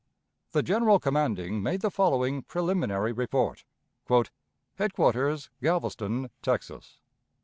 The General commanding made the following preliminary report: "HEADQUARTERS, GALVESTON, TEXAS.